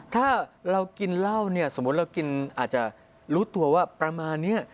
ถ้าเรากินเหล้าเนี่ยสมมุติเรากินอาจจะรู้ตัวว่าประมาณนี้